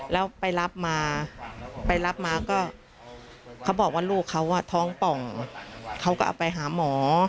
แล้วไปรับมาไปรับมาก็เขาบอกว่าลูกเขาท้องป่องเขาก็เอาไปหาหมอ